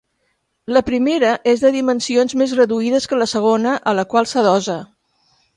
La primera és de dimensions més reduïdes que la segona, a la qual s'adossa.